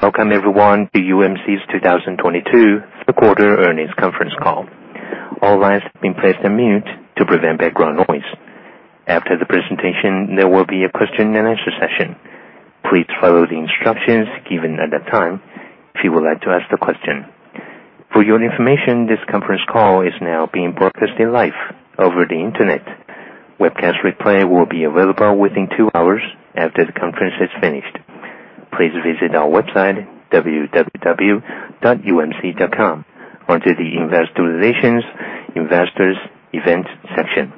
Welcome everyone to UMC's 2022 third quarter earnings conference call. All lines have been placed on mute to prevent background noise. After the presentation, there will be a question and answer session. Please follow the instructions given at that time if you would like to ask the question. For your information, this conference call is now being broadcasted live over the Internet. Webcast replay will be available within two hours after the conference is finished. Please visit our website www.umc.com under the Investor Relations, Investors Event section.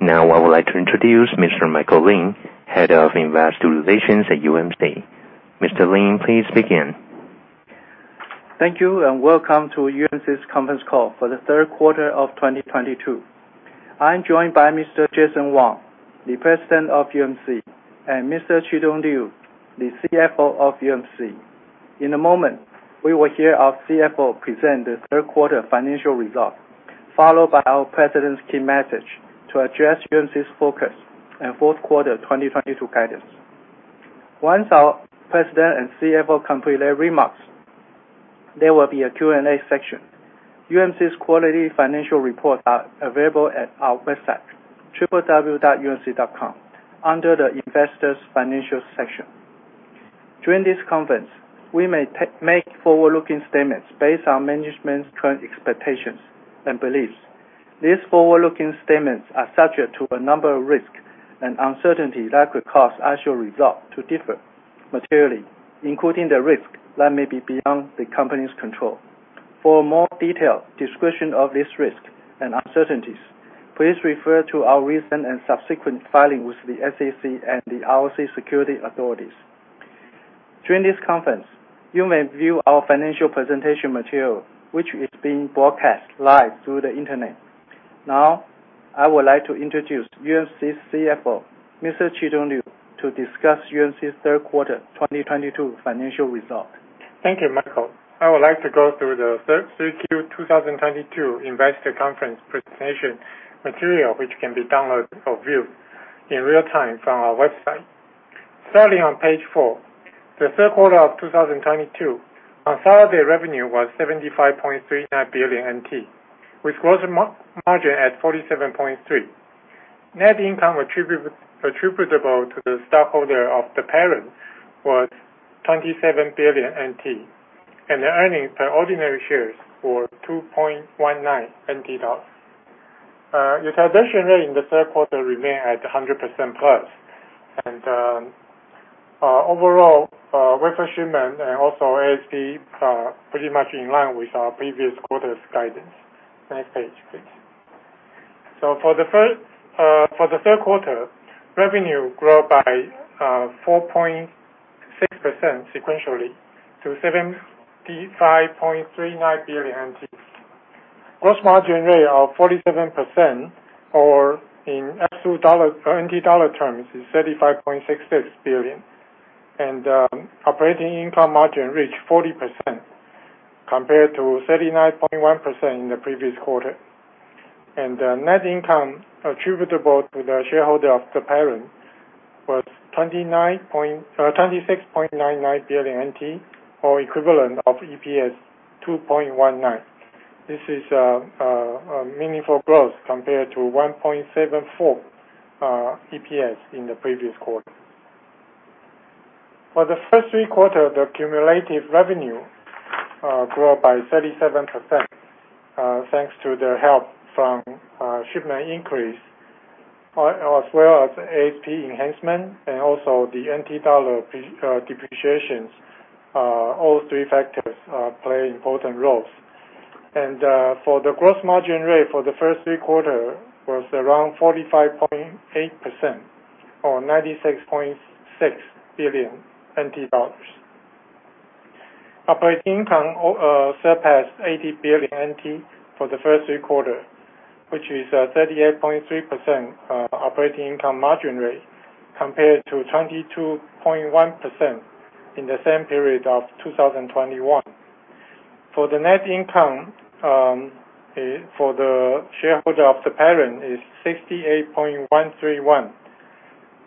Now I would like to introduce Mr. Michael Lin, Head of Investor Relations at UMC. Mr. Lin, please begin. Thank you, and welcome to UMC's conference call for the third quarter of 2022. I'm joined by Mr. Jason Wang, the President of UMC, and Mr. Chitung Liu, the CFO of UMC. In a moment, we will hear our CFO present the third quarter financial results, followed by our president's key message to address UMC's focus in fourth quarter 2022 guidance. Once our president and CFO complete their remarks, there will be a Q&A section. UMC's quarterly financial report are available at our website www.umc.com under the Investors Financial section. During this conference, we may make forward-looking statements based on management's current expectations and beliefs. These forward-looking statements are subject to a number of risks and uncertainties that could cause actual results to differ materially, including the risk that may be beyond the company's control. For a more detailed description of these risks and uncertainties, please refer to our recent and subsequent filings with the SEC and the ROC security authorities. During this conference, you may view our financial presentation material, which is being broadcast live through the Internet. Now I would like to introduce UMC's CFO, Mr. Chitung Liu, to discuss UMC's third quarter 2022 financial results. Thank you, Michael. I would like to go through the 3Q 2022 investor conference presentation material, which can be downloaded or viewed in real time from our website. Starting on page four, the third quarter of 2022, consolidated revenue was 75.39 billion NT, with gross margin at 47.3%. Net income attributable to the stockholder of the parent was 27 billion NT, and the earnings per ordinary shares were 2.19 NT dollars. Utilization rate in the third quarter remain at 100% plus. Overall, wafer shipment and also ASP are pretty much in line with our previous quarter's guidance. Next page, please. For the third quarter, revenue grew up by 4.6% sequentially to 75.39 billion. Gross margin rate of 47% or in absolute dollar, NT dollar terms is 35.66 billion. Operating income margin reached 40% compared to 39.1% in the previous quarter. Net income attributable to the shareholder of the parent was 26.99 billion NT or equivalent of EPS 2.19. This is a meaningful growth compared to 1.74 EPS in the previous quarter. For the first three quarters, the cumulative revenue grew up by 37%, thanks to the help from shipment increase as well as ASP enhancement and also the NT dollar depreciation. All three factors play important roles. For the gross margin rate for the first three quarters was around 45.8% or 96.6 billion NT dollars. Operating income surpassed 80 billion NT for the first three quarters, which is a 38.3% operating income margin rate compared to 22.1% in the same period of 2021. For the net income for the shareholder of the parent is 68.131 billion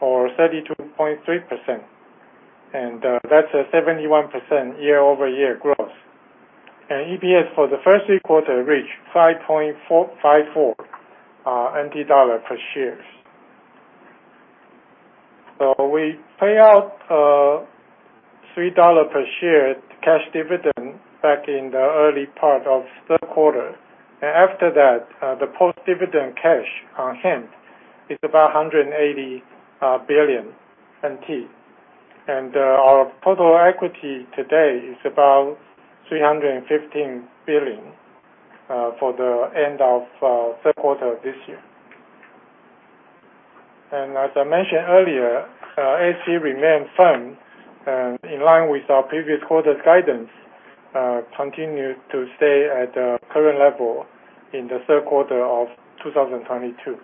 or 32.3%, and that's a 71% year-over-year growth. EPS for the first three quarters reached 5.45 NT dollar per share. We pay out 3 dollar per share cash dividend back in the early part of third quarter. After that, the post-dividend cash on hand is about 180 billion NT. Our total equity today is about 315 billion for the end of third quarter this year. As I mentioned earlier, ASP remained firm and in line with our previous quarter's guidance, continued to stay at current level in the third quarter of 2022.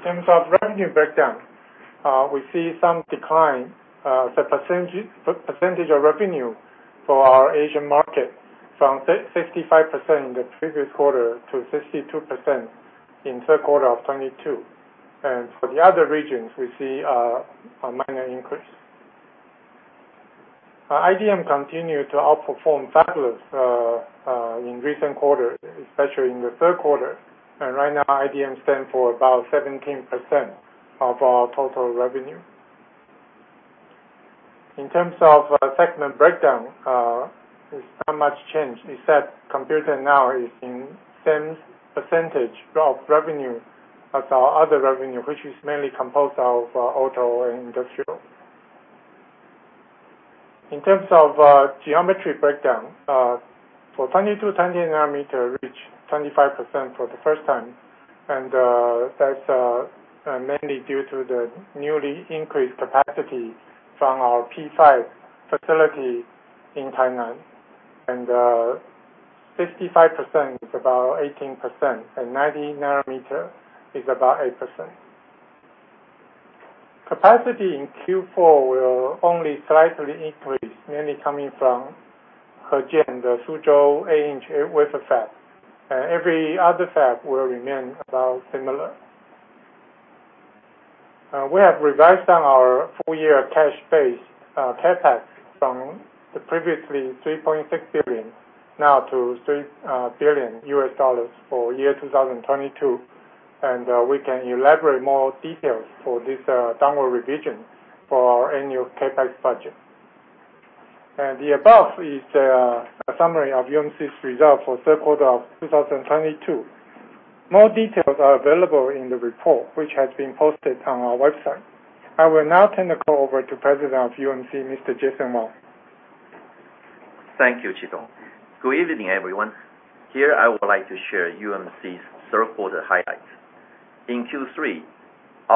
In terms of revenue breakdown. We see some decline, the percentage of revenue for our Asian market from 55% in the previous quarter to 52% in third quarter of 2022. For the other regions, we see a minor increase. Our IDM continued to outperform Fabless in recent quarter, especially in the third quarter. Right now, IDM stands for about 17% of our total revenue. In terms of segment breakdown, there's not much change except Consumer now is in same percentage of revenue as our other revenue, which is mainly composed of auto and industrial. In terms of geometry breakdown, for 2022, 20-nm reached 25% for the first time, and that's mainly due to the newly increased capacity from our P5 facility in Tainan. 65 nm is about 18%, and 90-nm is about 8%. Capacity in Q4 will only slightly increase, mainly coming from HeJian, the Suzhou eight-inch wafer Fab. Every other Fab will remain about similar. We have revised down our full year cash-based CapEx from the previously $3.6 billion now to $3 billion for 2022. We can elaborate more details for this downward revision for our annual CapEx budget. The above is a summary of UMC's results for third quarter of 2022. More details are available in the report, which has been posted on our website. I will now turn the call over to President of UMC, Mr. Jason Wang. Thank you, Chitung. Good evening, everyone. Here, I would like to share UMC's third quarter highlights. In Q3,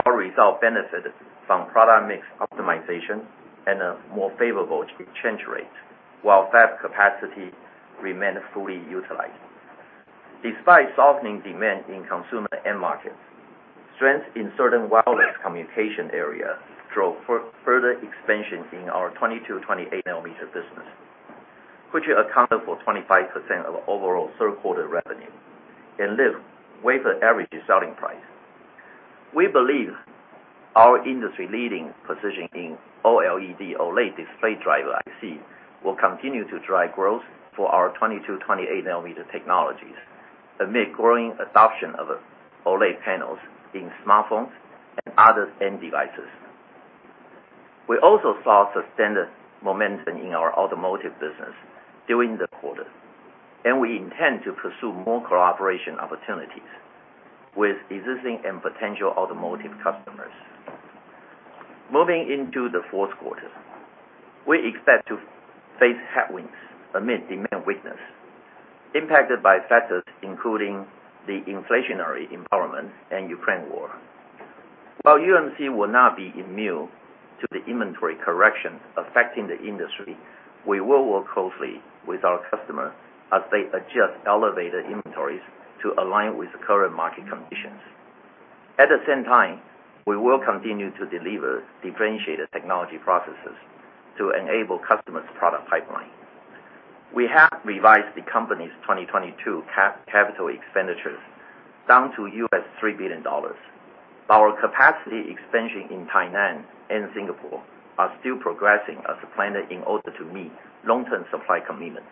our result benefited from product mix optimization and a more favorable exchange rate, while Fab capacity remained fully utilized. Despite softening demand in consumer end markets, strength in certain wireless communication area drove further expansion in our 22-nm, 28-nm business, which accounted for 25% of overall third quarter revenue and lifted wafer average selling price. We believe our industry leading position in O-L-E-D, OLED display driver IC will continue to drive growth for our 22-nm, 28-nm technologies amid growing adoption of OLED panels in smartphones and other end devices. We also saw sustained momentum in our automotive business during the quarter, and we intend to pursue more cooperation opportunities with existing and potential automotive customers. Moving into the fourth quarter, we expect to face headwinds amid demand weakness impacted by factors including the inflationary environment and Ukraine war. While UMC will not be immune to the inventory correction affecting the industry, we will work closely with our customers as they adjust elevated inventories to align with the current market conditions. At the same time, we will continue to deliver differentiated technology processes to enable customers' product pipeline. We have revised the company's 2022 capital expenditures down to $3 billion. Our capacity expansion in Tainan and Singapore are still progressing as planned in order to meet long-term supply commitments.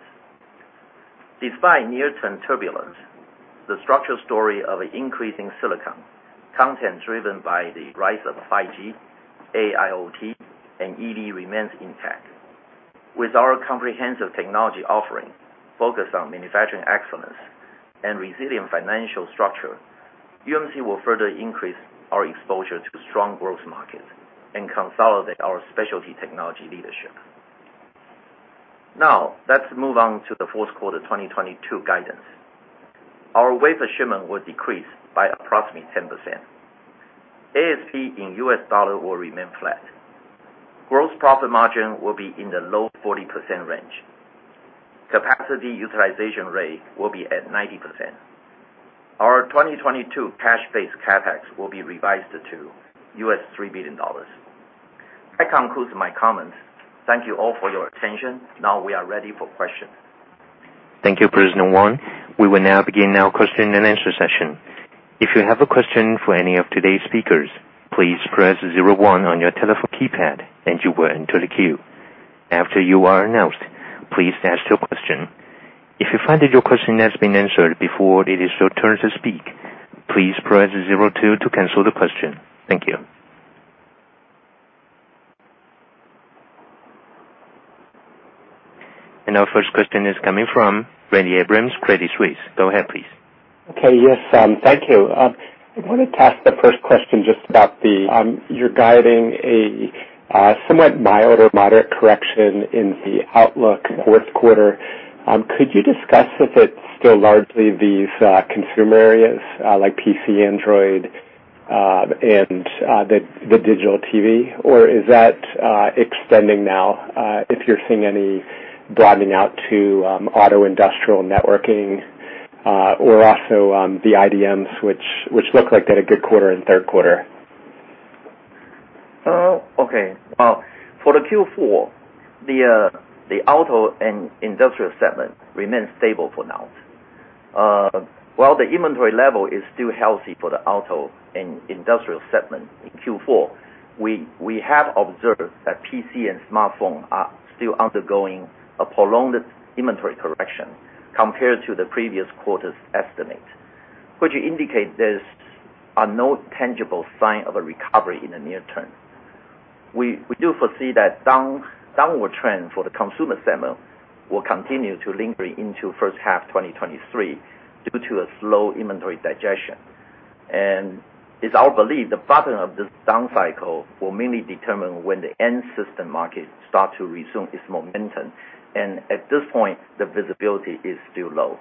Despite near-term turbulence, the structural story of increasing silicon content driven by the rise of 5G, AIoT and EV remains intact. With our comprehensive technology offering focused on manufacturing excellence and resilient financial structure, UMC will further increase our exposure to strong growth markets and consolidate our specialty technology leadership. Now, let's move on to the fourth quarter 2022 guidance. Our wafer shipment will decrease by approximately 10%. ASP in U.S. dollar will remain flat. Gross profit margin will be in the low 40% range. Capacity utilization rate will be at 90%. Our 2022 cash based CapEx will be revised to $3 billion. That concludes my comments. Thank you all for your attention. Now we are ready for question. Thank you, President Wang. We will now begin our question and answer session. If you have a question for any of today's speakers, please press zero one on your telephone keypad and you will enter the queue. After you are announced, please ask your question. If you find that your question has been answered before it is your turn to speak, please press zero two to cancel the question. Thank you. Our first question is coming from Randy Abrams, Credit Suisse. Go ahead, please. Okay. Yes, thank you. I wanted to ask the first question just about the you're guiding a somewhat mild or moderate correction in the outlook fourth quarter. Could you discuss if it's still largely these consumer areas like PC, Android, and the digital TV? Or is that extending now if you're seeing any broadening out to auto industrial networking or also the IDMs, which look like they had a good quarter in third quarter. Well, for the Q4, the auto and industrial segment remains stable for now. While the inventory level is still healthy for the auto and industrial segment in Q4, we have observed that PC and smartphone are still undergoing a prolonged inventory correction compared to the previous quarter's estimate, which indicates there are no tangible sign of a recovery in the near term. We do foresee that downward trend for the consumer segment will continue to linger into first half 2023 due to a slow inventory digestion. It's our belief the bottom of this down cycle will mainly determine when the end system market start to resume its momentum. At this point, the visibility is still low.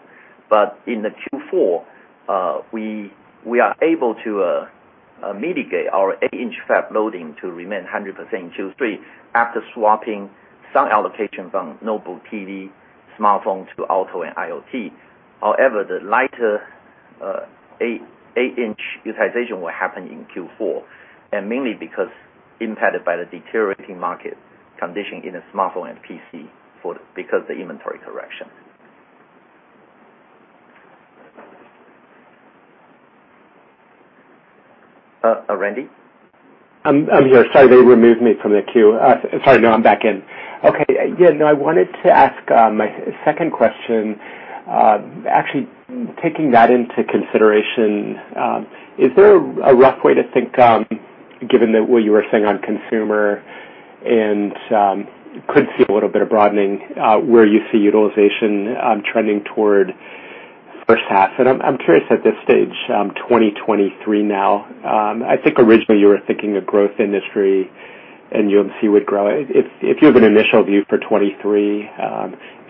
In the Q4, we are able to mitigate our 8-inch Fab loading to remain 100% in Q3 after swapping some allocation from notebook, PC, smartphone to auto and IoT. However, the lighter eight-inch utilization will happen in Q4, and mainly because impacted by the deteriorating market condition in the smartphone and PC because the inventory correction. Randy? I'm here. Sorry, they removed me from the queue. Sorry. No, I'm back in. Okay, yeah, no, I wanted to ask my second question, actually taking that into consideration, is there a rough way to think, given that what you were saying on consumer and could see a little bit of broadening, where you see utilization trending toward first half? I'm curious at this stage, 2023 now, I think originally you were thinking a growth industry and UMC would grow. If you have an initial view for 2023,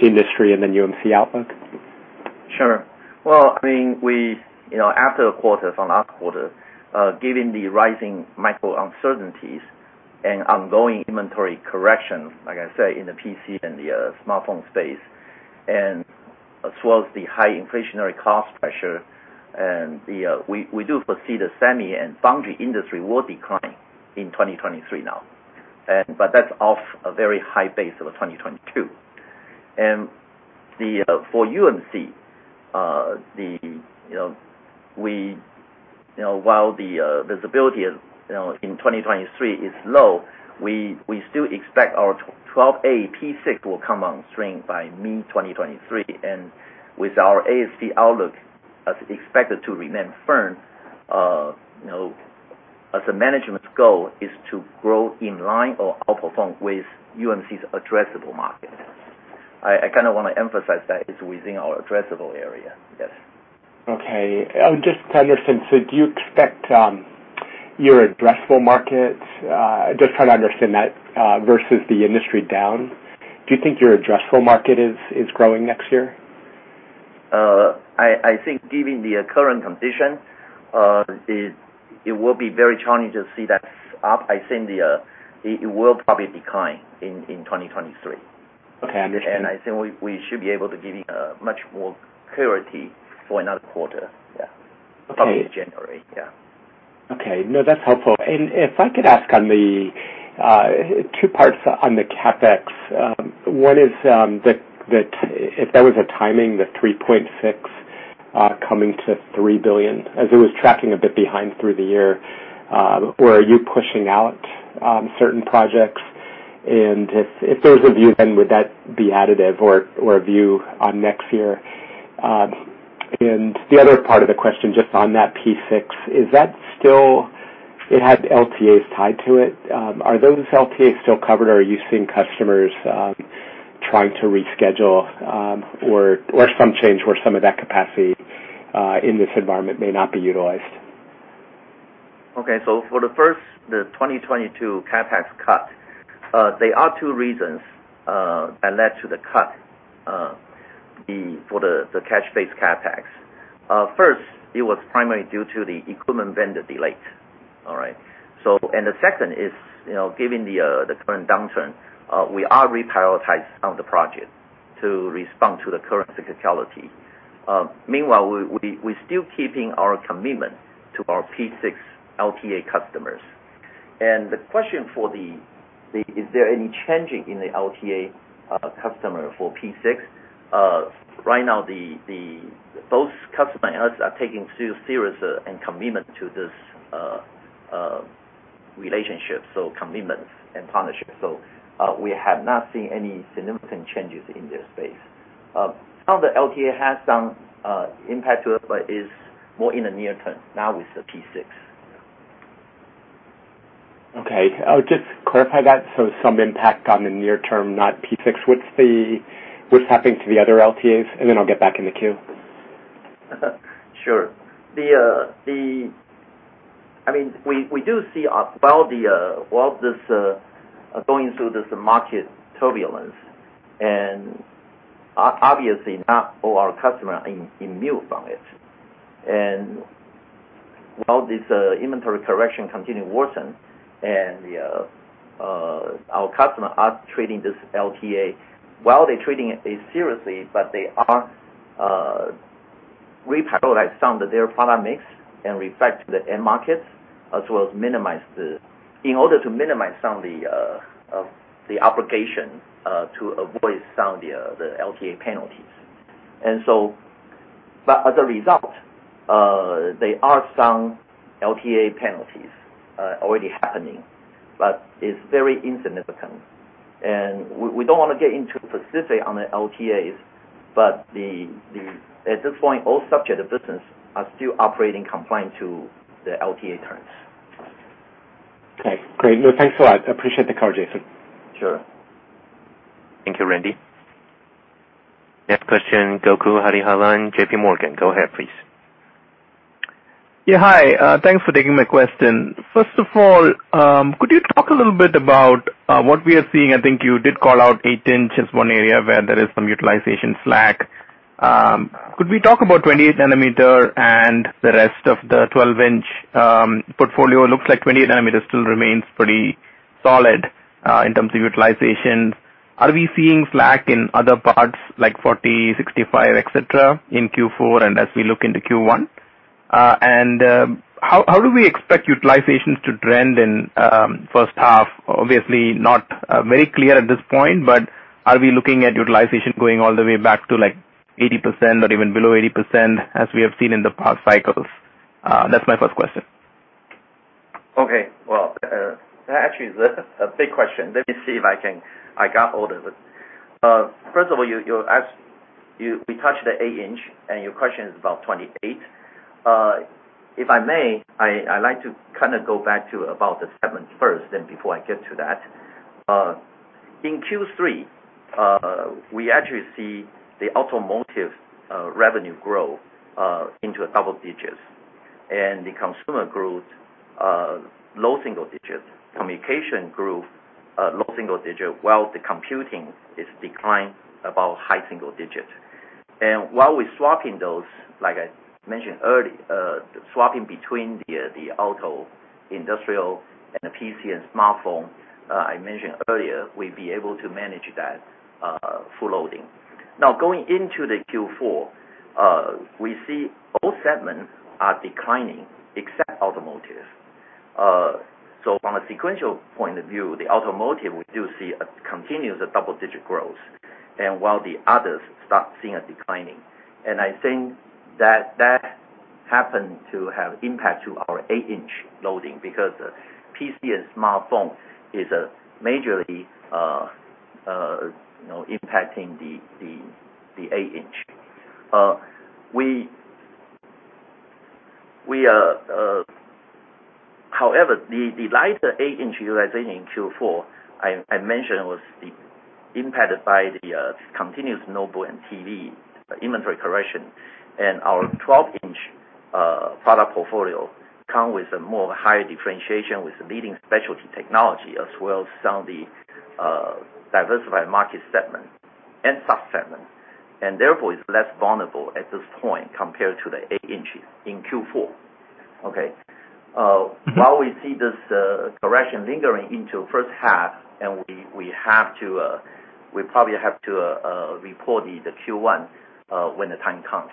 industry and then UMC outlook. Sure. Well, I mean, we, you know, after the quarter from last quarter, given the rising macro uncertainties and ongoing inventory correction, like I say, in the PC and the smartphone space, and as well as the high inflationary cost pressure, and the, we do foresee the semi and foundry industry will decline in 2023 now. But that's off a very high base of 2022. For UMC, you know, while the visibility, you know, in 2023 is low, we still expect our 12A P6 will come on stream by mid-2023. With our ASP outlook as expected to remain firm, you know, as the management's goal is to grow in line or outperform with UMC's addressable market. I kinda wanna emphasize that it's within our addressable area. Yes. Okay. Just to understand, so do you expect your addressable market just trying to understand that versus the industry downturn do you think your addressable market is growing next year? I think given the current condition, it will be very challenging to see that up. I think it will probably decline in 2023. Okay. Understood. I think we should be able to give you much more clarity for another quarter. Yeah. Okay. Probably January. Yeah. Okay. No, that's helpful. If I could ask on the two parts on the CapEx. One is the if there was a timing, the $3.6 billion coming to $3 billion as it was tracking a bit behind through the year, or are you pushing out certain projects. If there's a view then would that be additive or a view on next year. The other part of the question just on that P6, is that still. It had LTAs tied to it. Are those LTAs still covered or are you seeing customers trying to reschedule, or some change where some of that capacity in this environment may not be utilized? Okay. For the first, the 2022 CapEx cut, there are two reasons that led to the cut, the cash base CapEx. First, it was primarily due to the equipment vendor delay. All right? The second is, you know, given the current downturn, we are reprioritizing some of the project to respond to the current cyclicality. Meanwhile, we still keeping our commitment to our P6 LTA customers. The question is there any changing in the LTA customer for P6, right now the both customer and us are taking seriously and commitment to this relationship, so commitments and partnership. We have not seen any significant changes in this space. Some of the LTA has some impact to it, but is more in the near term now with the P6. Okay. I'll just clarify that. Some impact on the near term, not P6. What's happening to the other LTAs? Then I'll get back in the queue. Sure. We do see going through this market turbulence and obviously not all our customers are immune from it. Inventory correction continues to worsen, and our customers are treating this LTA while they're treating it seriously, but they are reprioritizing some of their product mix and reflect to the end markets, as well as minimize some of the obligations to avoid some of the LTA penalties. As a result, there are some LTA penalties already happening, but it's very insignificant. We don't wanna get into specifics on the LTAs, but at this point, all subjects of business are still operating compliant to the LTA terms. Okay. Great. No, thanks a lot. Appreciate the call, Jason. Sure. Thank you, Randy. Next question, Gokul Hariharan, JPMorgan. Go ahead, please. Yeah, hi. Thanks for taking my question. First of all, could you talk a little bit about what we are seeing. I think you did call out 8 inch as one area where there is some utilization slack. Could we talk about 28-nm and the rest of the 12-inch portfolio? Looks like 28-nm still remains pretty solid in terms of utilization. Are we seeing slack in other parts like 40-nm, 65-nm, etc., in Q4 and as we look into Q1? And how do we expect utilizations to trend in first half? Obviously, not very clear at this point, but are we looking at utilization going all the way back to, like, 80% or even below 80% as we have seen in the past cycles? That's my first question. Okay. Well, that actually is a big question. Let me see if I got all of it. First of all, we touched the 8-inch and your question is about 28-nm. If I may, I like to kinda go back to about the segments first, and before I get to that. In Q3, we actually see the automotive revenue grow into double digits. The consumer growth low single digits. Communication grew low single digit, while the computing is declined about high single digit. While we swap in those, like I mentioned, swapping between the auto, industrial, and the PC and smartphone, I mentioned earlier, we'd be able to manage that full loading. Now, going into the Q4, we see all segments are declining except automotive. So from a sequential point of view, the automotive we do see a continuous double-digit growth, and while the others start seeing a declining. I think that happened to have impact to our 8-inch loading because PC and smartphone is majorly you know impacting the 8-inch. However, the lighter 8-inch utilization in Q4, I mentioned, was impacted by the continuous notebook and TV inventory correction. Our 12-inch product portfolio come with a more higher differentiation with leading specialty technology as well as some of the diversified market segment and sub-segment, and therefore is less vulnerable at this point compared to the 8-inch in Q4. Okay. Mm-hmm. While we see this correction lingering into first half, and we probably have to report the Q1 when the time comes.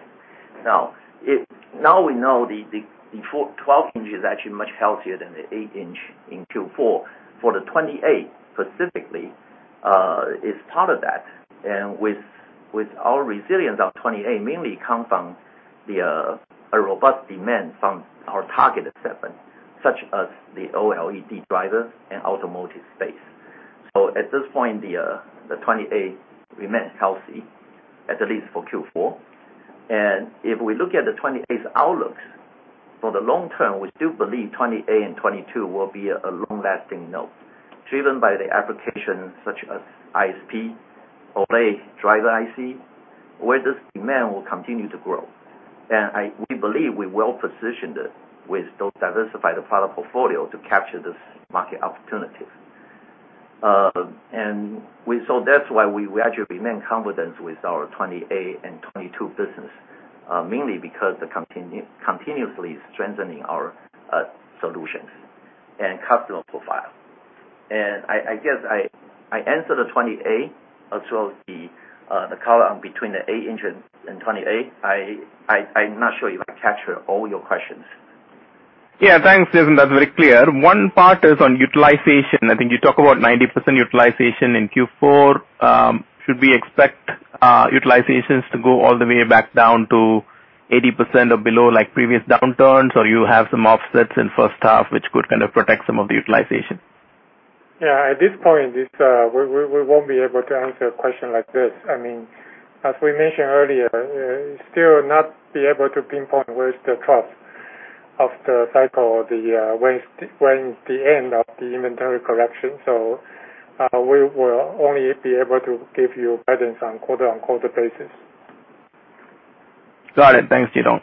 Now we know the 12-inch is actually much healthier than the 8-inch in Q4. For the 28-nm specifically is part of that. With our resilience on 28 nm mainly come from a robust demand from our targeted segment, such as the OLED driver and automotive space. At this point, the 28-nm remains healthy, at least for Q4. If we look at the 28 nm outlooks for the long term, we still believe 28-nm and 22-nm will be a long-lasting node, driven by the application such as ISP, OLED, driver IC, where this demand will continue to grow. We believe we're well positioned with those diversified product portfolio to capture this market opportunity. We see that's why we actually remain confident with our 28-nm and 22-nm business, mainly because continuously strengthening our solutions and customer profile. I guess I answered the 28-nm as well as the call on between the 8-inch and 28-nm. I'm not sure if I captured all your questions. Yeah, thanks, Jason. That's very clear. One part is on utilization. I think you talk about 90% utilization in Q4. Should we expect utilizations to go all the way back down to 80% or below, like previous downturns? Or you have some offsets in first half which could kind of protect some of the utilization? Yeah. At this point, we won't be able to answer a question like this. I mean, as we mentioned earlier, still not be able to pinpoint where is the trough of the cycle or when's the end of the inventory correction. We will only be able to give you guidance on quarter-over-quarter basis. Got it. Thanks, Chitung.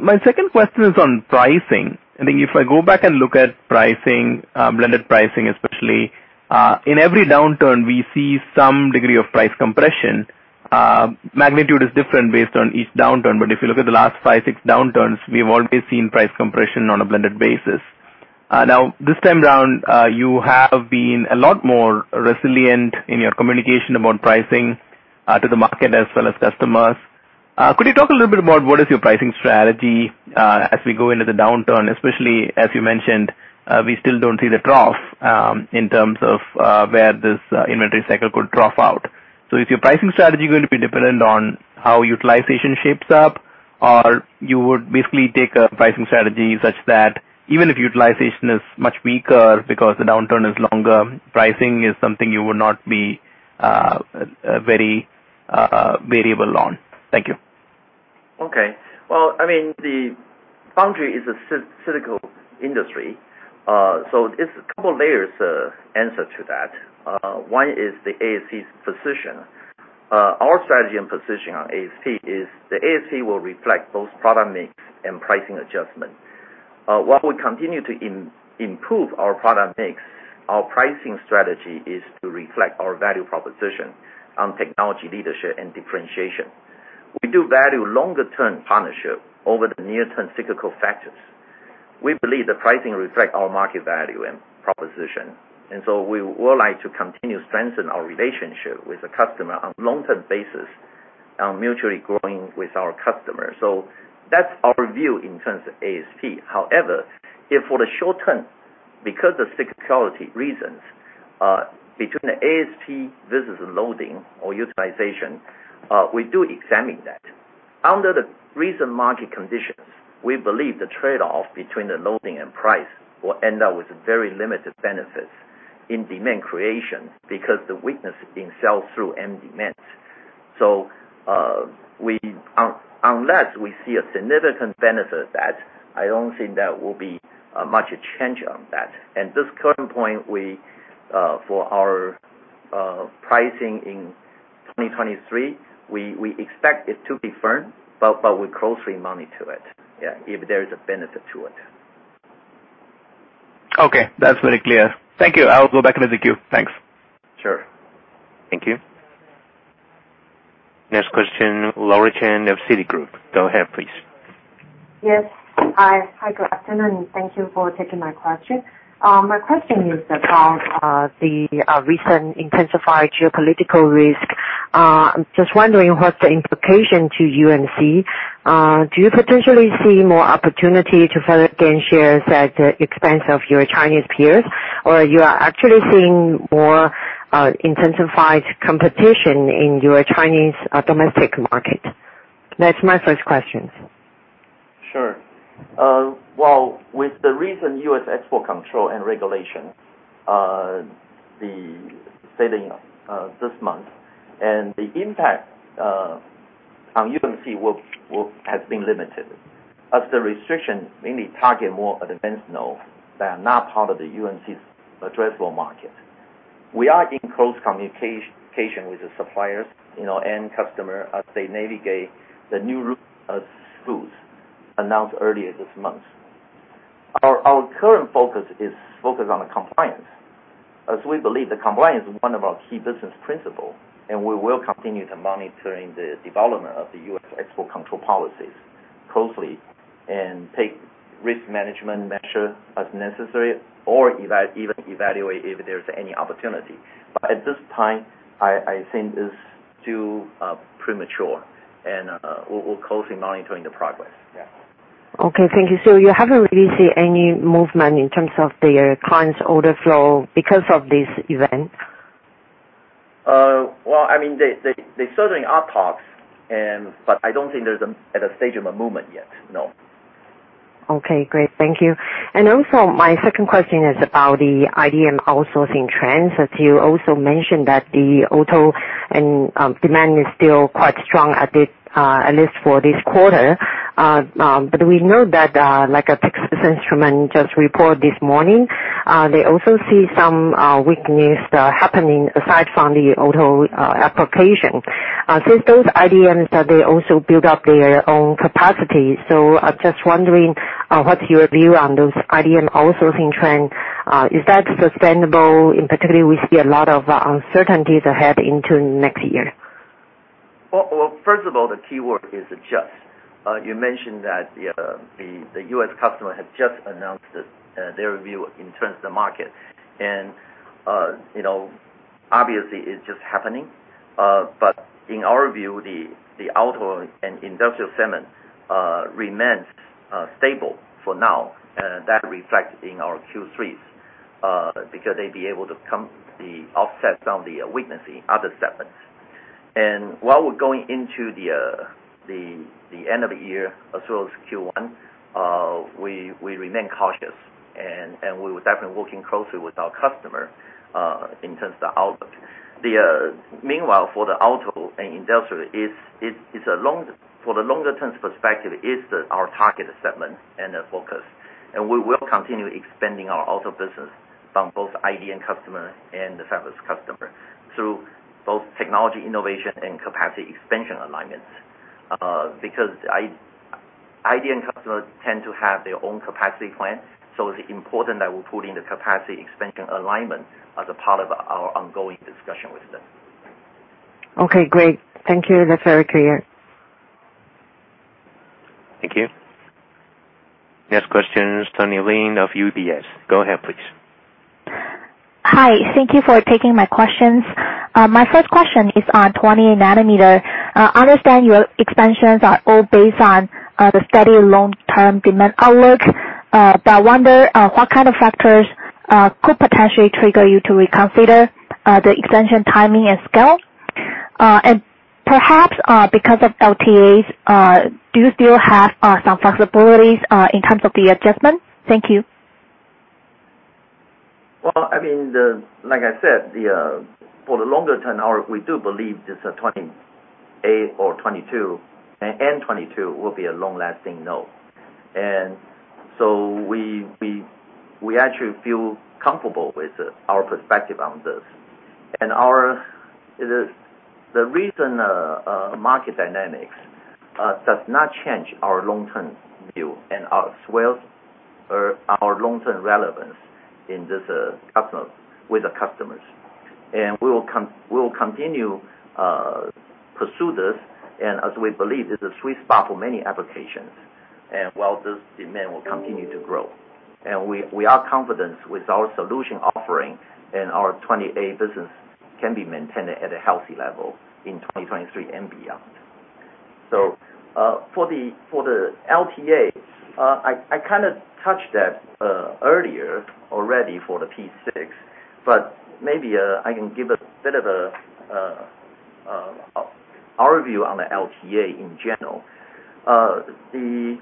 My second question is on pricing. I think if I go back and look at pricing, blended pricing, especially, in every downturn, we see some degree of price compression. Magnitude is different based on each downturn, but if you look at the last five, six downturns, we have always seen price compression on a blended basis. Now this time around, you have been a lot more resilient in your communication about pricing to the market as well as customers. Could you talk a little bit about what is your pricing strategy as we go into the downturn, especially as you mentioned, we still don't see the trough in terms of where this inventory cycle could drop out? Is your pricing strategy going to be dependent on how utilization shapes up or you would basically take a pricing strategy such that even if utilization is much weaker because the downturn is longer, pricing is something you would not be very variable on. Thank you. Okay. Well, I mean, the foundry is a cyclical industry, so it's a couple layers answer to that. One is the ASP position. Our strategy and position on ASP is the ASP will reflect both product mix and pricing adjustment. While we continue to improve our product mix, our pricing strategy is to reflect our value proposition on technology leadership and differentiation. We do value longer term partnership over the near-term cyclical factors. We believe the pricing reflect our market value and proposition. We would like to continue to strengthen our relationship with the customer on long-term basis on mutually growing with our customers. That's our view in terms of ASP. However, if for the short term, because of cyclicality reasons, between the ASP versus loading or utilization, we do examine that. Under the recent market conditions, we believe the trade-off between the loading and price will end up with very limited benefits in demand creation because the weakness being sell through end demand. Unless we see a significant benefit that I don't think there will be, much change on that. At this current point, we, for our, pricing in 2023, we expect it to be firm, but we closely monitor it, yeah, if there is a benefit to it. Okay, that's very clear. Thank you. I'll go back into the queue. Thanks. Sure. Thank you. Next question, Laura Chen of Citigroup. Go ahead, please. Yes. Hi. Hi, good afternoon. Thank you for taking my question. My question is about the recent intensified geopolitical risk. I'm just wondering what's the implication to UMC. Do you potentially see more opportunity to further gain shares at the expense of your Chinese peers, or you are actually seeing more intensified competition in your Chinese domestic market? That's my first question. Sure. Well, with the recent U.S. export control and regulation, the setting this month and the impact on UMC has been limited as the restriction mainly targets more advanced nodes that are not part of UMC's addressable market. We are in close communication with the suppliers, you know, and customers as they navigate the new rules announced earlier this month. Our current focus is on the compliance, as we believe that compliance is one of our key business principles, and we will continue to monitor the development of the U.S. export control policies closely and take risk management measures as necessary or even evaluate if there's any opportunity. At this time, I think it's too premature, and we're closely monitoring the progress. Okay, thank you. You haven't really seen any movement in terms of their clients' order flow because of this event? Well, I mean, there certainly are talks, but I don't think there's at a stage of a movement yet. No. Okay, great. Thank you. Also my second question is about the IDM outsourcing trends, as you also mentioned that the auto and demand is still quite strong at least for this quarter. But we know that, like Texas Instruments just report this morning, they also see some weakness happening aside from the auto application. Since those IDMs that they also build up their own capacity. I'm just wondering, what's your view on those IDM outsourcing trend? Is that sustainable, in particular, we see a lot of uncertainties ahead into next year. Well, first of all, the keyword is adjust. You mentioned that the U.S. customer has just announced that their view in terms of the market. You know, obviously it's just happening. In our view, the auto and industrial segment remains stable for now. That reflect in our Q3s because they'd be able to offset some of the weakness in other segments. While we're going into the end of the year as well as Q1, we remain cautious and we will definitely working closely with our customer in terms of the output. Meanwhile, for the auto and industrial, it's a long-term perspective and our target segment and the focus. We will continue expanding our auto business from both IDM customer and the Fabless customer through both technology, innovation and capacity expansion alignments. Because IDM customers tend to have their own capacity plan, so it's important that we put in the capacity expansion alignment as a part of our ongoing discussion with them. Okay, great. Thank you. That's very clear. Thank you. Next question is Tony Lin of UBS. Go ahead, please. Hi. Thank you for taking my questions. My first question is on 20-nm. I understand your expansions are all based on the steady long-term demand outlook. I wonder what kind of factors could potentially trigger you to reconsider the expansion timing and scale. Perhaps because of LTAs, do you still have some flexibilities in terms of the adjustments? Thank you. Well, I mean, like I said, for the longer term outlook, we do believe this 28-nm or 22-nm, and 22-nm will be a long-lasting node. We actually feel comfortable with our perspective on this. The recent market dynamics does not change our long-term view and, as well, our long-term relevance with the customers. We will continue to pursue this as we believe this is sweet spot for many applications. This demand will continue to grow. We are confident with our solution offering and our 28 business can be maintained at a healthy level in 2023 and beyond. For the LTA, I kinda touched that earlier already for the P6, but maybe I can give a bit of our view on the LTA in general. The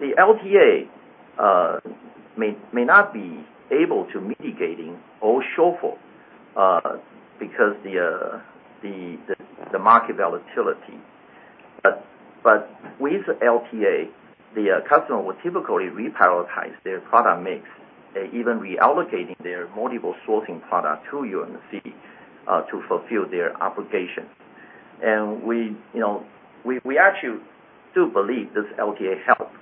LTA may not be able to mitigate all shortfalls because the market volatility. With LTA, the customer will typically reprioritize their product mix, even reallocating their multiple-sourcing products to UMC to fulfill their obligations. We, you know, actually do believe this LTA helps.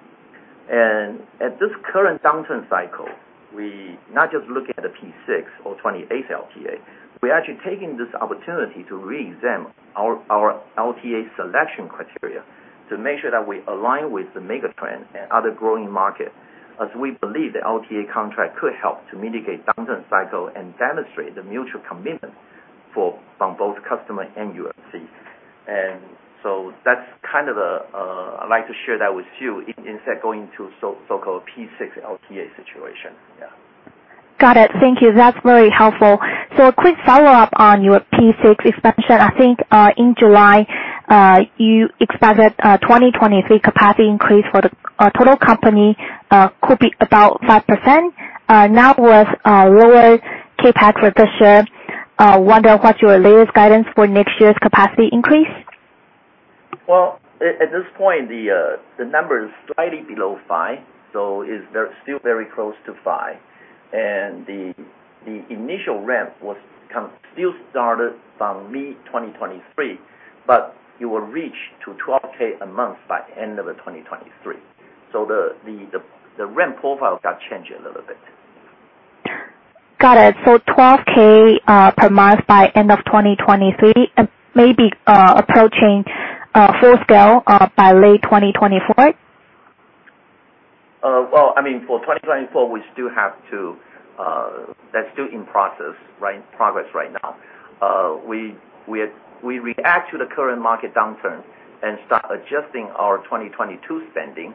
At this current downturn cycle, we not just looking at the P6 or 28-nm LTA, we're actually taking this opportunity to reexamine our LTA selection criteria to make sure that we align with the mega trend and other growing market, as we believe the LTA contract could help to mitigate downturn cycle and demonstrate the mutual commitment from both customer and UMC. That's kind of a, I'd like to share that with you instead going to so-called P6 LTA situation. Yeah. Got it. Thank you. That's very helpful. A quick follow-up on your P6 expansion. I think in July you expected 2023 capacity increase for the total company could be about 5%. That was lower CapEx for this year. Wonder what your latest guidance for next year's capacity increase? At this point the number is slightly below five, so it's still very close to five. The initial ramp was kind of still started from mid-2023, but it will reach to 12,000 a month by end of 2023. The ramp profile got changed a little bit. Got it. 12,000 per month by end of 2023, and maybe approaching full scale by late 2024? Well, I mean for 2024, that's still in progress right now. We react to the current market downturn and start adjusting our 2022 spending,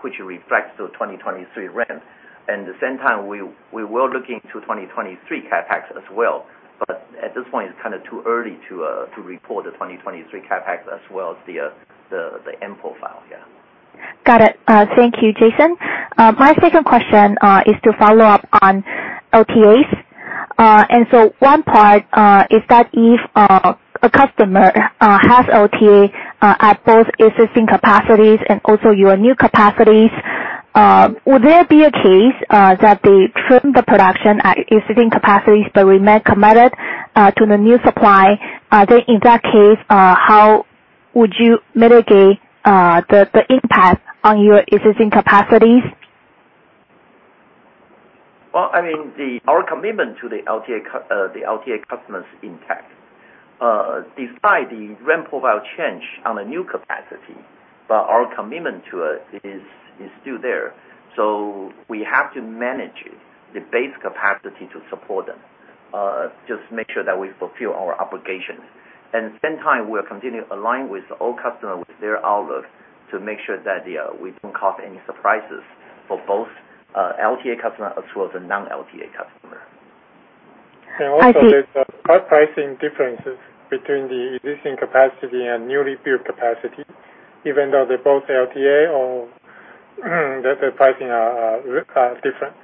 which reflects the 2023 ramp. At the same time we were looking to 2023 CapEx as well. At this point it's kinda too early to report the 2023 CapEx as well as the end profile. Yeah. Got it. Thank you, Jason. My second question is to follow up on LTAs. One part is that if a customer has LTA at both existing capacities and also your new capacities, would there be a case that they trim the production at existing capacities but remain committed to the new supply? In that case, how would you mitigate the impact on your existing capacities? I mean, our commitment to the LTA customer is intact. Despite the ramp profile change on the new capacity, but our commitment to it is still there. We have to manage the base capacity to support them, just make sure that we fulfill our obligations. At the same time, we are continuing to align with all customers with their outlook to make sure that we don't cause any surprises for both the LTA customer as well as the non-LTA customer. I see. Also there's pricing differences between the existing capacity and newly built capacity, even though they're both LTA or that the pricing are different.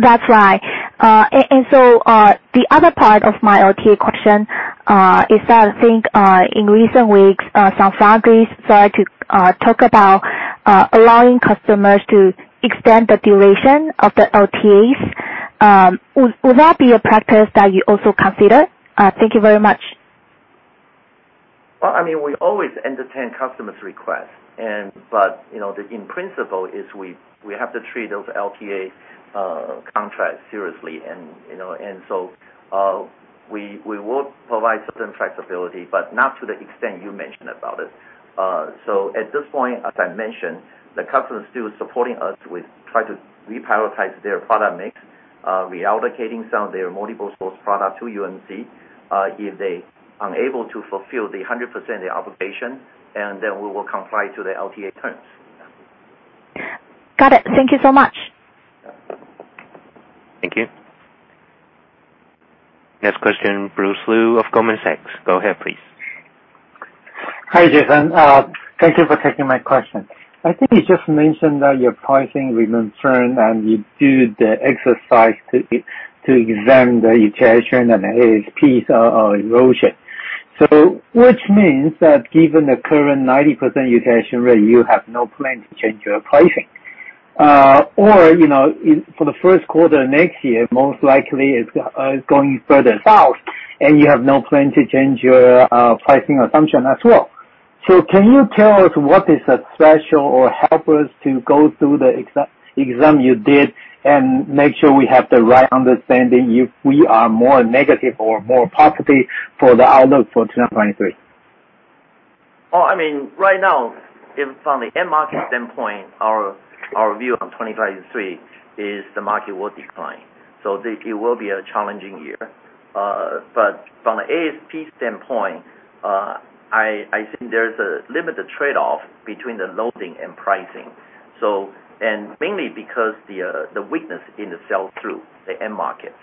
That's right. The other part of my LTA question is that I think in recent weeks some foundries start to talk about allowing customers to extend the duration of the LTAs. Would that be a practice that you also consider? Thank you very much. Well, I mean, we always entertain customers' requests but, you know, in principle we have to treat those LTA contracts seriously and, you know. We will provide certain flexibility but not to the extent you mentioned about it. At this point, as I mentioned, the customer is still supporting us with trying to reprioritize their product mix, reallocating some of their multi-source product to UMC, if they unable to fulfill the 100% their obligation, and then we will comply to the LTA terms. Got it. Thank you so much. Thank you. Next question, Bruce Lu of Goldman Sachs. Go ahead, please. Hi, Jason. Thank you for taking my question. I think you just mentioned that your pricing remains firm, and you do the exercise to examine the utilization and ASPs or erosion. Which means that given the current 90% utilization rate, you have no plan to change your pricing. Or, in for the first quarter next year, most likely it's going further south, and you have no plan to change your pricing assumption as well. Can you tell us what is the threshold or help us to go through the exercise you did and make sure we have the right understanding if we are more negative or more positive for the outlook for 2023? I mean, right now, if from the end market standpoint, our view on 2023 is the market will decline. It will be a challenging year. From a ASP standpoint, I think there's a limited trade-off between the loading and pricing. Mainly because the weakness in the sell-through the end markets.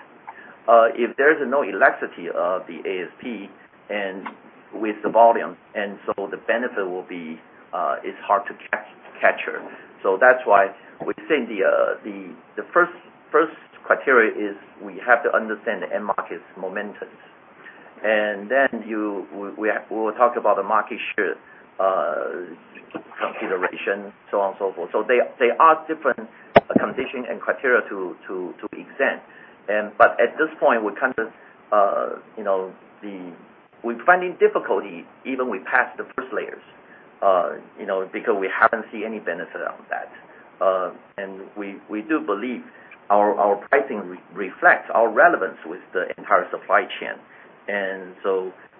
If there's no elasticity of the ASP and with the volume, the benefit is hard to capture. That's why we think the first criteria is we have to understand the end market's momentums. Then we will talk about the market share consideration, so on and so forth. There are different conditions and criteria to examine. At this point, we're finding difficulty even we passed the first layers because we haven't seen any benefit out of that. We do believe our pricing reflects our relevance with the entire supply chain.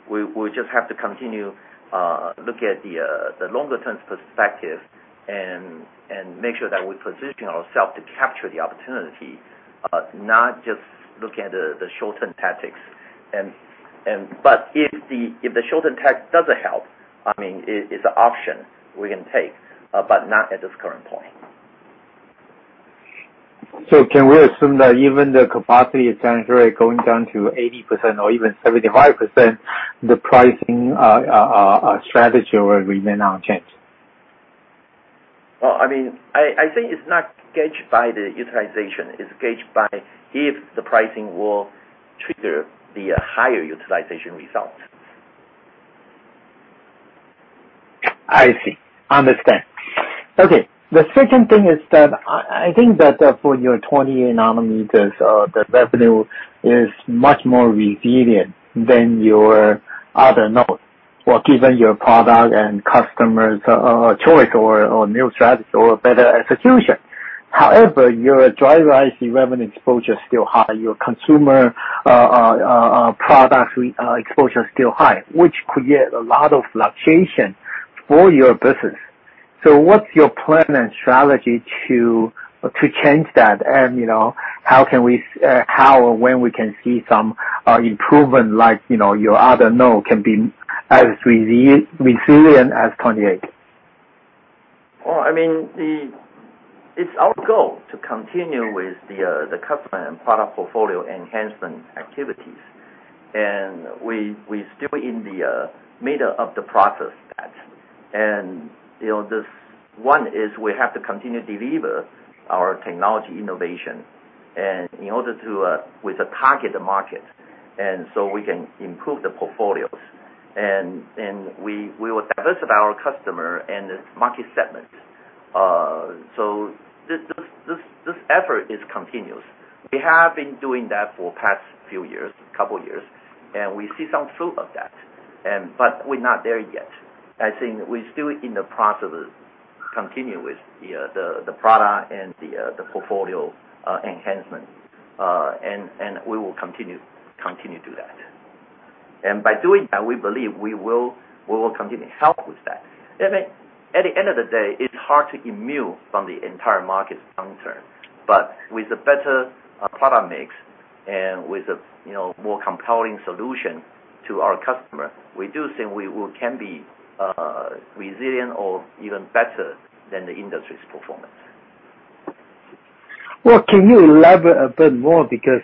We just have to continue to look at the long-term perspective and make sure that we position ourselves to capture the opportunity, not just looking at the short-term tactics. If the short-term tactic doesn't help, I mean, it's an option we can take, but not at this current point. Can we assume that even the capacity is going down to 80% or even 75%, the pricing strategy will remain unchanged? Well, I mean, I think it's not gauged by the utilization. It's gauged by if the pricing will trigger the higher utilization result. I see. Understand. Okay. The second thing is that I think that for your 20-nm, the revenue is much more resilient than your other node. Well, given your product and customers choice or new strategies or better execution. However, your driver IC revenue exposure is still high. Your consumer product exposure is still high, which could create a lot of fluctuation for your business. What's your plan and strategy to change that? You know, how or when we can see some improvement like, you know, your other node can be as resilient as 28-nm. Well, I mean, it's our goal to continue with the customer and product portfolio enhancement activities. We still in the middle of the process that. You know, this one is we have to continue deliver our technology innovation and in order to with the target market, and so we can improve the portfolios. We will diversify our customer and the market segments. So this effort is continuous. We have been doing that for past few years, couple years, and we see some fruit of that. But we're not there yet. I think we're still in the process of continue with the product and the portfolio enhancement. And we will continue to do that. By doing that, we believe we will continue to help with that. I mean, at the end of the day, it's hard to immune from the entire market downturn. With a better product mix and with a, you know, more compelling solution to our customer, we do think we can be resilient or even better than the industry's performance. Well, can you elaborate a bit more because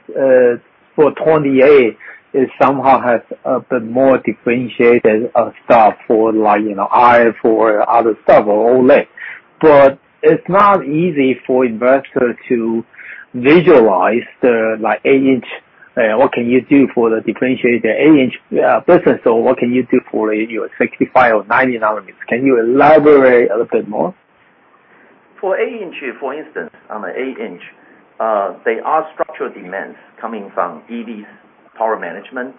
for 28-nm it somehow has a bit more differentiated stuff for like, you know, iPhone or other stuff or OLED. But it's not easy for investors to visualize the like 8-inch, what can you do to differentiate the 8-inch business or what can you do for your 65-nm or 90-nm. Can you elaborate a little bit more? For 8-inch, for instance, on the 8-inch, there are structural demands coming from EVs power management,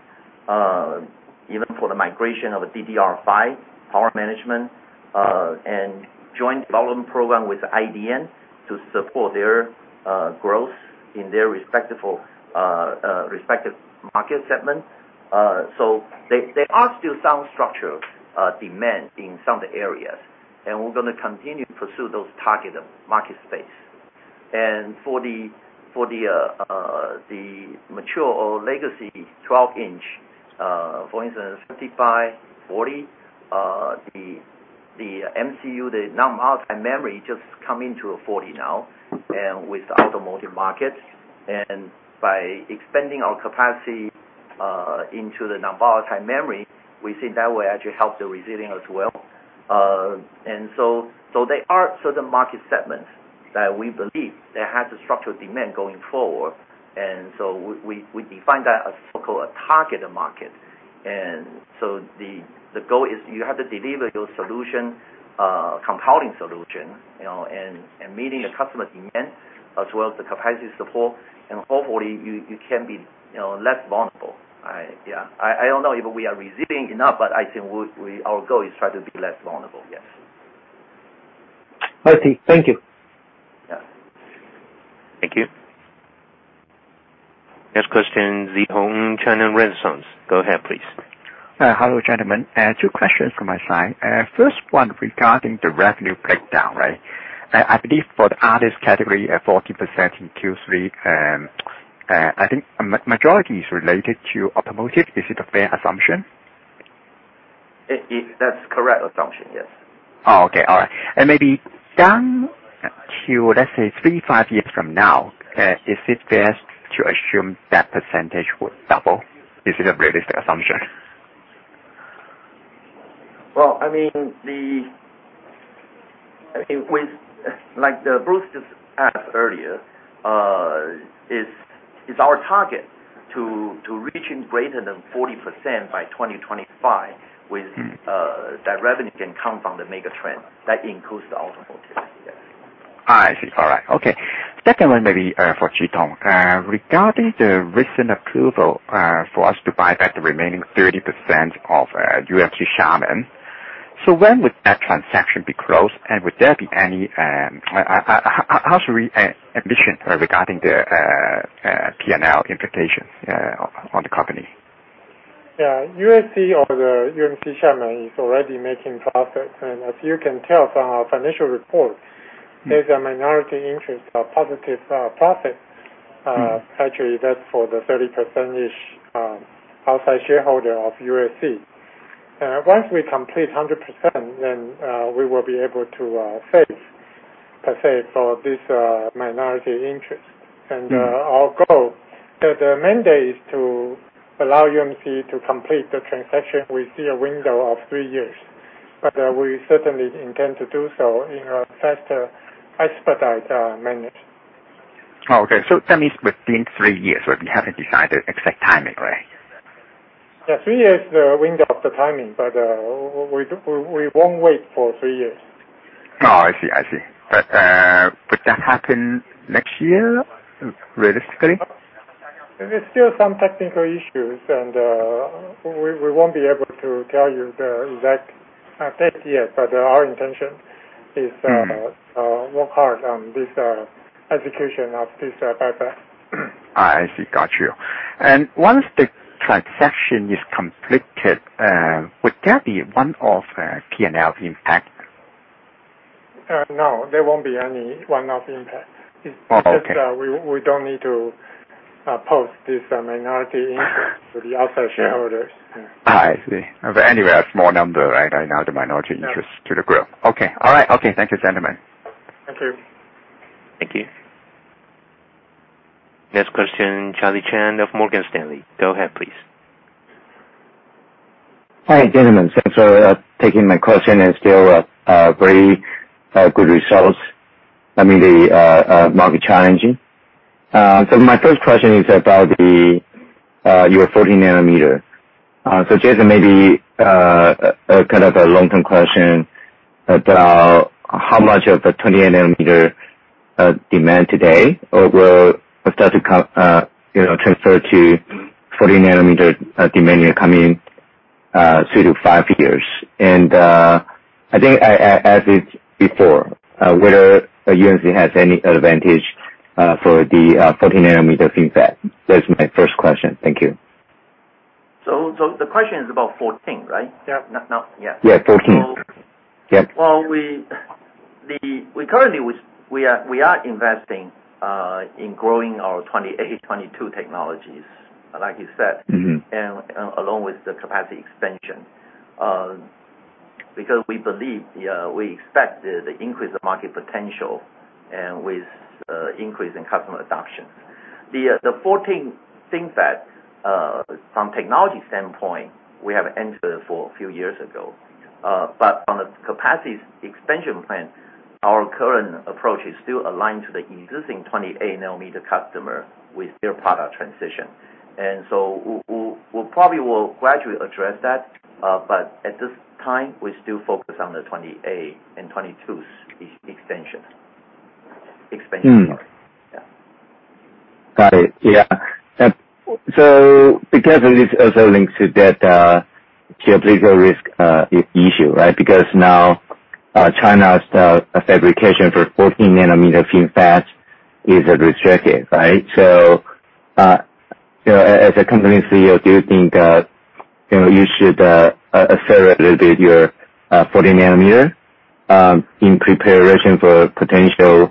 even for the migration of a DDR5 power management, and joint development program with IDM to support their growth in their respective market segment. There are still some structural demand in some of the areas, and we're gonna continue to pursue those targeted market space. For the mature or legacy 12-inch, for instance, 55, 40, the MCU, the non-volatile memory just come into a 40 now and with the automotive markets. By expanding our capacity into the non-volatile memory, we think that will actually help the resiliency as well. There are certain market segments that we believe that has a structural demand going forward. We define that as so-called a targeted market. The goal is you have to deliver your solution, compelling solution, you know, and meeting the customer demand as well as the capacity support, and hopefully you can be, you know, less vulnerable. Yeah, I don't know if we are resilient enough, but I think our goal is try to be less vulnerable. Yes. I see. Thank you. Yeah. Thank you. Next question, Zhi Hong, China Renaissance. Go ahead, please. Hello, gentlemen. Two questions from my side. First one regarding the revenue breakdown, right. I believe for the artist category, 14% in Q3, I think majority is related to automotive. Is it a fair assumption? It is. That's correct assumption, yes. Oh, okay. All right. Maybe down to, let's say 3-5 years from now, is it fair to assume that percentage would double? Is it a realistic assumption? Well, I mean, with like, the Bruce just asked earlier, it's our target to reaching greater than 40% by 2025 with that revenue can come from the mega trend. That includes the automotive. Yes. I see. All right. Okay. Second one maybe for Chitung Liu. Regarding the recent approval for us to buy back the remaining 30% of UMC Xiamen. When would that transaction be closed and would there be any, how should we think about the P&L implications on the company? Yeah. United Semi or the UMC Xiamen is already making profits. As you can tell from our financial report, there's a minority interest of positive profit, actually that's for the 30% outside shareholder of United Semi. Once we complete 100%, then we will be able to save per se for this minority interest. Our goal, the mandate is to allow UMC to complete the transaction. We see a window of three years, but we certainly intend to do so in a faster expedited manner. Oh, okay. That means within three years, but you haven't decided exact timing, right? Yeah. Three years is the window of the timing, but we won't wait for three years. Oh, I see. Would that happen next year, realistically? There's still some technical issues, and we won't be able to tell you the exact date yet, but our intention is to work hard on the execution of this buyback. I see. Got you. Once the transaction is completed, would there be one-off P&L impact? No, there won't be any one-off impact. Oh, okay. It's just, we don't need to post this minority interest to the outside shareholders. Yeah. Oh, I see. Anyway, a small number, right, another minority interest to the group. Okay. All right. Okay. Thank you, gentlemen. Thank you. Thank you. Next question, Charlie Chan of Morgan Stanley. Go ahead, please. Hi, gentlemen. Thanks for taking my question and still very good results amid the challenging market. My first question is about your 14-nm. Jason, maybe kind of a long-term question about how much of the 20-nm demand today or will start to come, you know, transfer to 14-nm demand coming 3-5 years. I think, as I asked before, whether UMC has any advantage for the 14-nm FinFET. That's my first question. Thank you. The question is about 14-nm, right? Yep. Yeah. Yeah, 14-nm. So- Yep. Well, we currently are investing in growing our 28-nm, 22-nm technologies, like you said. Mm-hmm. Along with the capacity expansion, because we believe we expect the increase of market potential and with increase in customer adoption. The 14-nm FinFET from technology standpoint, we have entered a few years ago. On a capacity expansion plan, our current approach is still aligned to the existing 20-nm customer with their product transition. We'll probably gradually address that, but at this time we still focus on the 28-nm and 22's-nm expansion. Got it. Yeah. Because it is also linked to that geopolitical risk issue, right? Because now, China's Fabrication for 14-nm FinFET is restricted, right? You know, as a company CEO, do you think you know, you should accelerate a little bit your 14-nm in preparation for potential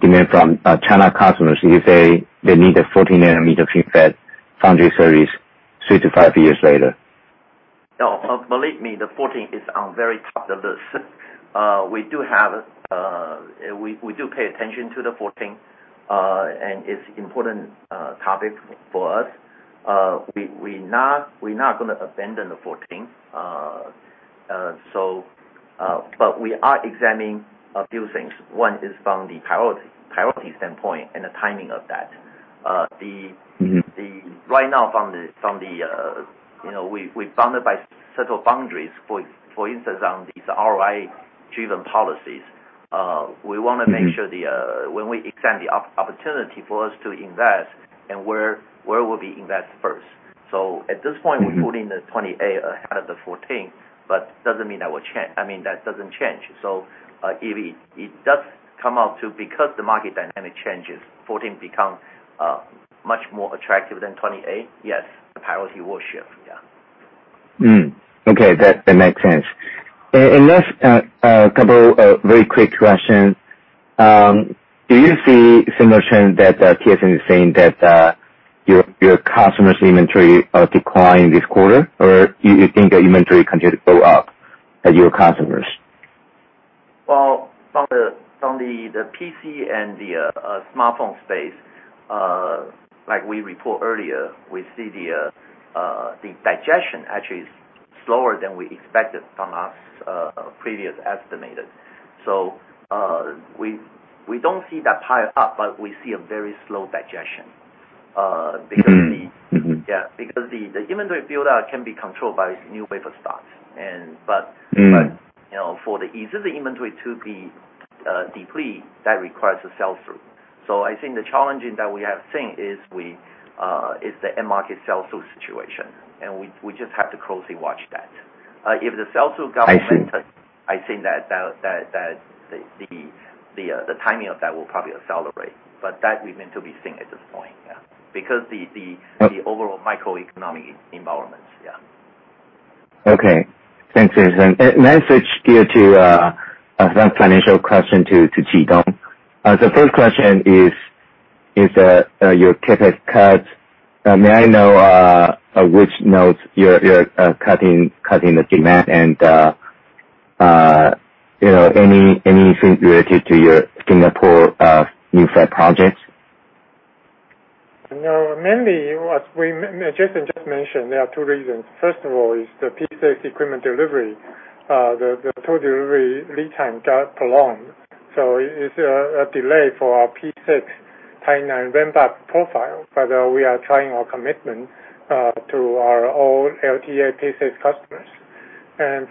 demand from China customers if they need a 14-nm FinFET foundry service 3-5 years later? No. Believe me, the 14-nm is on very top of the list. We do pay attention to the 14-nm, and it's important topic for us. We're not gonna abandon the 14-nm. We are examining a few things. One is from the priority standpoint and the timing of that. Mm-hmm. Right now, from the you know, we are bound by several boundaries. For instance, on these ROI-driven policies, we wanna make sure that when we extend the opportunity for us to invest and where we'll invest first. At this point. Mm-hmm. We're putting the 28-nm ahead of the 14-nm, but doesn't mean that will change. I mean, that doesn't change. If it does come about because the market dynamic changes, 14-nm becomes much more attractive than 28-nm, yes, the priority will shift. Yeah. Okay. That makes sense. Last couple very quick questions. Do you see similar trend that TSMC is saying that your customers' inventory are declining this quarter? Or you think the inventory continue to go up at your customers? Well, from the PC and the smartphone space, like we report earlier, we see the digestion actually is slower than we expected from last previous estimated. We don't see that pile up, but we see a very slow digestion, because the.. Mm-hmm. Mm-hmm. Yeah. Because the inventory buildup can be controlled by new wave of starts. Mm. You know, for the ease of the inventory to be deplete, that requires a sell-through. I think the challenge that we have seen is the end market sell-through situation. We just have to closely watch that. If the sell-through government.. I see. I think that the timing of that will probably accelerate. That remains to be seen at this point. Yeah. Okay. The overall macroeconomic environments, yeah. Okay. Thanks, Jason. Let's switch gears to some financial question to Chitung Liu. The first question is your CapEx cuts. May I know which nodes you're cutting the expansion and you know anything related to your Singapore new Fab projects? No, mainly what Jason just mentioned, there are two reasons. First of all is the P6 equipment delivery. The total delivery lead time got prolonged, so it's a delay for our P6 Taiwan ramp-up profile. We are honoring our commitment to our own LTA P6 customers.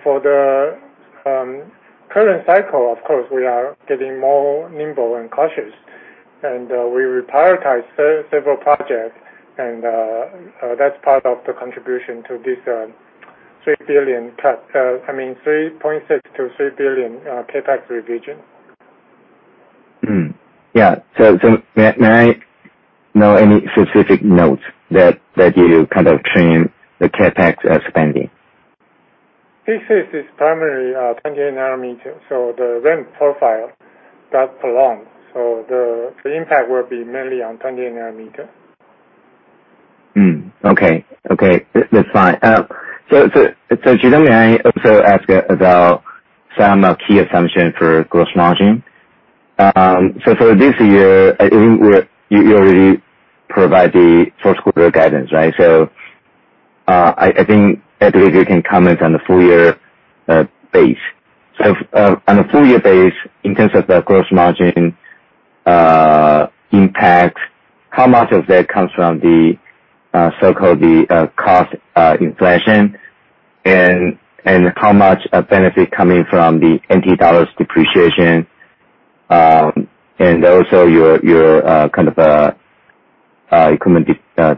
For the current cycle, of course, we are getting more nimble and cautious, and we reprioritize several projects, and that's part of the contribution to this $3 billion cut, I mean $3.6 billion to $3 billion CapEx revision. Yeah. May I know any specific nodes that you kind of trim the CapEx spending? P6 is primarily 20-nm, so the ramp profile got prolonged, so the impact will be mainly on 20-nm. Okay. That's fine. Chitung Liu, may I also ask about some key assumption for gross margin? For this year, I think we're... You already provide the first quarter guidance, right? I think, at least you can comment on the full year base. On a full year base, in terms of the gross margin impact, how much of that comes from the so-called cost inflation, and how much of benefit coming from the NT dollar depreciation, and also your kind of equipment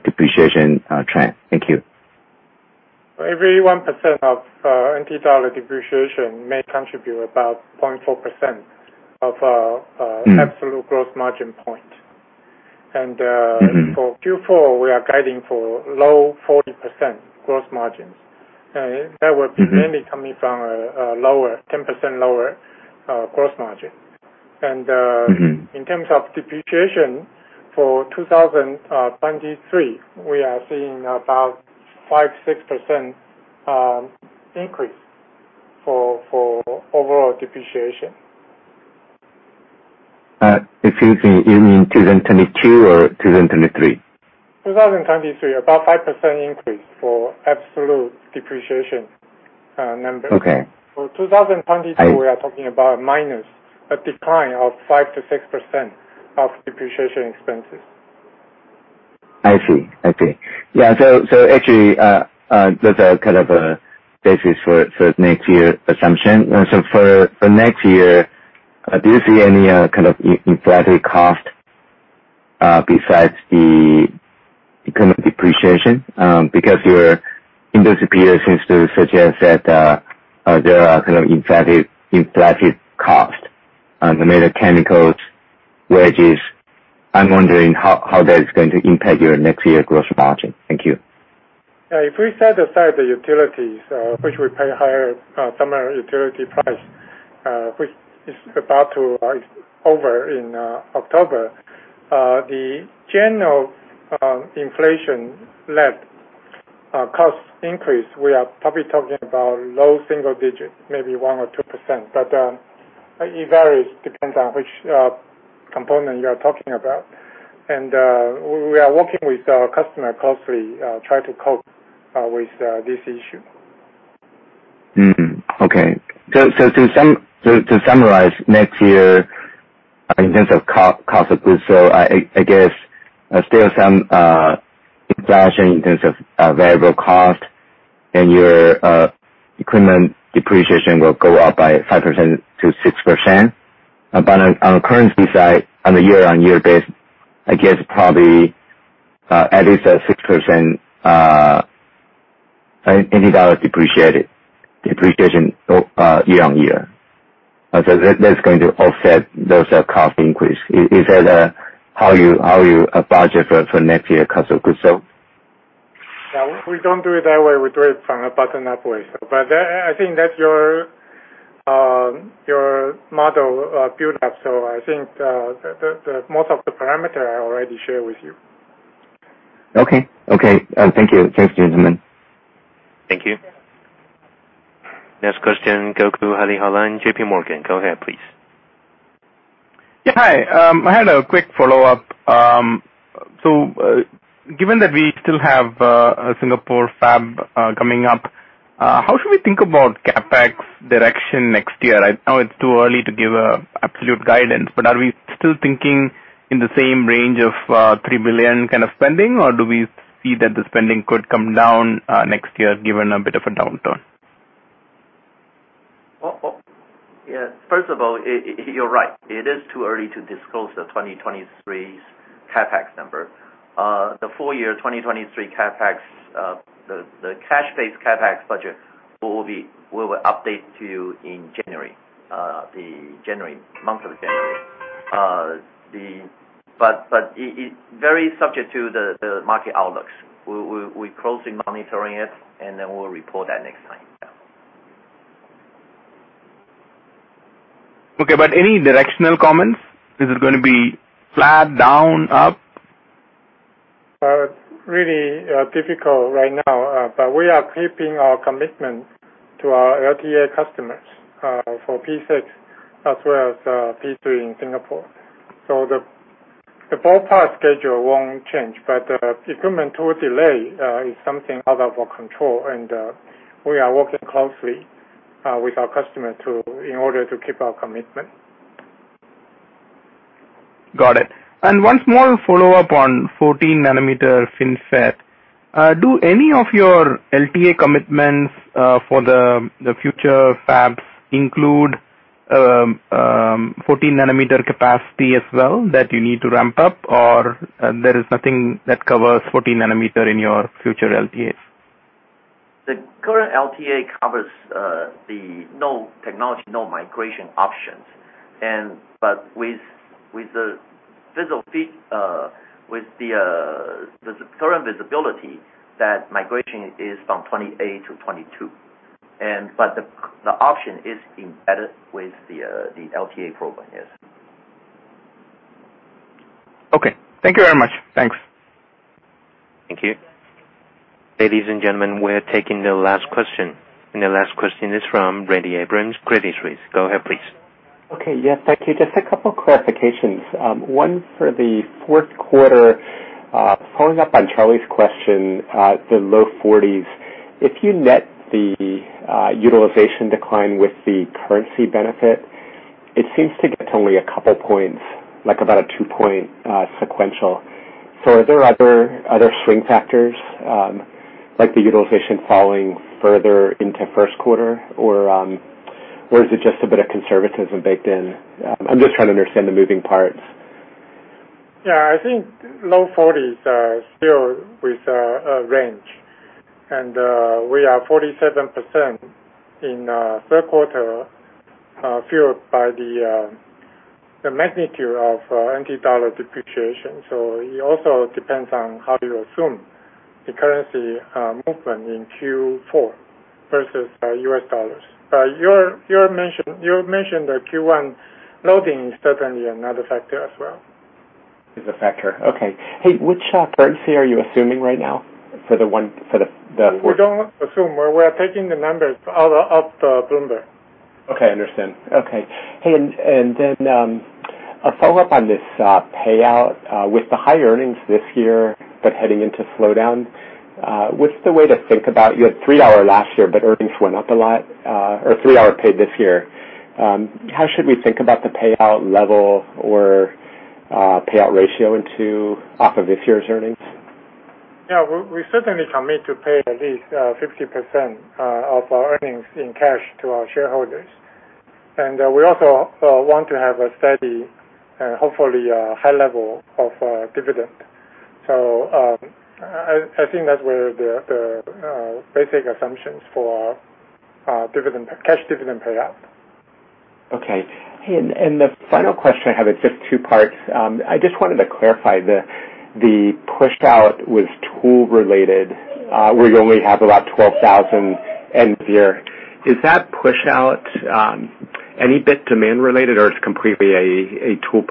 depreciation trend. Thank you. Every 1% of NT dollar depreciation may contribute about 0.4% of... Mm. absolute gross margin point. Mm-hmm. For Q4, we are guiding for low 40% gross margins. That would be- Mm-hmm. mainly coming from a 10% lower gross margin. Mm-hmm. In terms of depreciation, for 2023, we are seeing about 5%-6% increase for overall depreciation. Excuse me. You mean 2022 or 2023? 2023, about 5% increase for absolute depreciation number. Okay. For 2022. I- We are talking about minus, a decline of 5%-6% of depreciation expenses. I see. Yeah. Actually, there's a kind of a basis for next year assumption. For next year, do you see any kind of inflation cost besides the equipment depreciation? Because your industry peers seems to suggest that there are kind of inflationary costs, the major chemicals, wages. I'm wondering how that is going to impact your next year gross margin. Thank you. Yeah. If we set aside the utilities, which we pay higher summer utility price, which is about to be over in October. The general inflation-led cost increase, we are probably talking about low single-digit, maybe 1% or 2%. But it varies, depends on which component you are talking about. We are working with our customer closely, try to cope with this issue. To summarize next year in terms of cost of goods sold, I guess there's still some inflation in terms of variable cost, and your equipment depreciation will go up by 5%-6%. But on the currency side, on a year-on-year basis, I guess probably at least a 6% NT dollar depreciation year-on-year. That's going to offset those cost increase. Is that how you budget for next year cost of goods sold? Yeah. We don't do it that way. We do it from a bottom-up way. But I think that your your model build up. I think the most of the parameter I already shared with you. Okay. Thank you. Thanks, gentlemen. Thank you. Next question, Gokul Hariharan, JPMorgan, go ahead, please. Yeah. Hi, I had a quick follow-up. Given that we still have a Singapore Fab coming up, how should we think about CapEx direction next year? I know it's too early to give an absolute guidance, but are we still thinking in the same range of 3 billion kind of spending or do we see that the spending could come down next year given a bit of a downturn? Well, yeah, first of all, you're right. It is too early to disclose the 2023's CapEx number. The full year 2023 CapEx, the cash-based CapEx budget will be. We will update to you in January. It very subject to the market outlooks. We're closely monitoring it, and then we'll report that next time. Yeah. Okay. Any directional comments? Is it gonna be flat, down, up? It's really difficult right now. We are keeping our commitment to our LTA customers for P6 as well as P3 in Singapore. The ballpark schedule won't change, but the equipment tool delay is something out of our control. We are working closely with our customer in order to keep our commitment. Got it. One small follow-up on 14-nm FinFET. Do any of your LTA commitments for the future Fabs include 14-nm capacity as well that you need to ramp up, or there is nothing that covers 14-nm in your future LTAs? The current LTA covers the node technology, no migration options. With the current visibility, that migration is from 28-nm to 22-nm. The option is embedded with the LTA program. Yes. Okay. Thank you very much. Thanks. Thank you. Ladies and gentlemen, we're taking the last question, and the last question is from Randy Abrams, Credit Suisse. Go ahead, please. Okay. Yeah. Thank you. Just a couple clarifications. One for the fourth quarter, following up on Charlie's question, the low 40s%. If you net the utilization decline with the currency benefit, it seems to get only a couple points, like about a 2-point sequential. Are there other swing factors, like the utilization falling further into first quarter or is it just a bit of conservatism baked in? I'm just trying to understand the moving parts. Yeah. I think low 40s% are still within a range, and we are 47% in third quarter, fueled by the magnitude of NT dollar depreciation. It also depends on how you assume the currency movement in Q4 versus U.S. dollars. You mentioned the Q1 loading is certainly another factor as well. Is a factor. Okay. Hey, which currency are you assuming right now for the one, for the- We don't assume. We're taking the numbers off the Bloomberg. Okay. I understand. Okay. Hey, a follow-up on this payout with the high earnings this year but heading into slowdown. What's the way to think about you had 30% last year, but earnings went up a lot, or 30% paid this year. How should we think about the payout level or payout ratio in 2H of this year's earnings? Yeah. We certainly commit to pay at least 50% of our earnings in cash to our shareholders. We also want to have a steady and hopefully a high level of dividend. I think that's where the basic assumptions for our cash dividend payout. The final question I have is just two parts. I just wanted to clarify the pushout was tool related, where you only have about 12,000 end of year. Is that pushout any bit demand related or it's completely a tool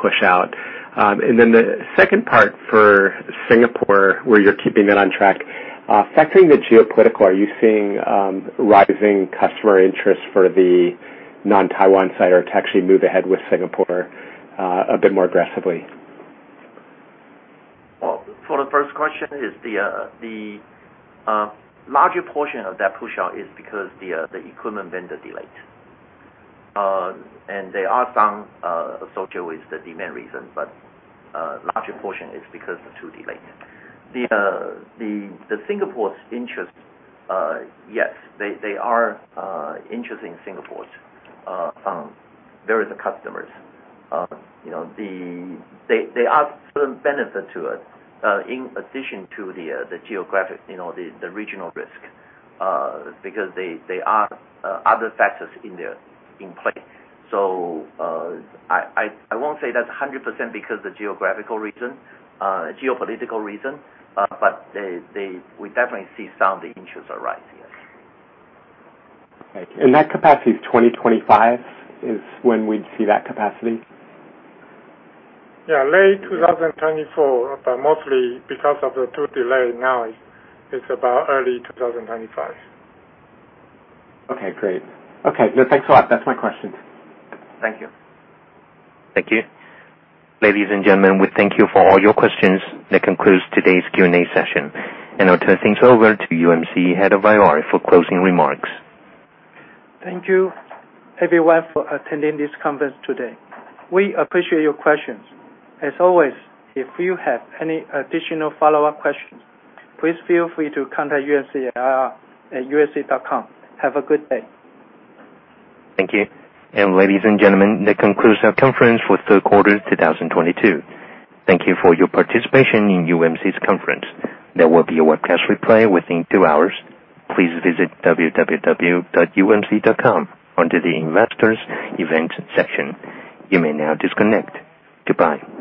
pushout? The second part for Singapore where you're keeping it on track, factoring the geopolitical, are you seeing rising customer interest for the non-Taiwan site or to actually move ahead with Singapore a bit more aggressively? Well, for the first question, the larger portion of that pushout is because the equipment vendor delayed. There are some associated with the demand reason, but larger portion is because the tool delayed. The Singapore's interest, yes, they are interested in Singapore's various customers. You know, there are certain benefits to it, in addition to the geographic, you know, the regional risk, because there are other factors in there in play. I won't say that's 100% because the geographical reason, geopolitical reason, but we definitely see some of the interests are rising, yes. Right. That capacity is 2025 is when we'd see that capacity? Yeah. Late 2024, but mostly because of the tool delay, now it's about early 2025. Okay, great. Okay. No, thanks a lot. That's my questions. Thank you. Thank you. Ladies and gentlemen, we thank you for all your questions. That concludes today's Q&A session. I'll turn things over to UMC Head of IR for closing remarks. Thank you everyone for attending this conference today. We appreciate your questions. As always, if you have any additional follow-up questions, please feel free to contact UMC IR at umc.com. Have a good day. Thank you. Ladies and gentlemen, that concludes our conference for third quarter 2022. Thank you for your participation in UMC's conference. There will be a webcast replay within two hours. Please visit www.umc.com under the Investors Events section. You may now disconnect. Goodbye.